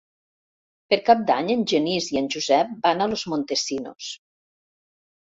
Per Cap d'Any en Genís i en Josep van a Los Montesinos.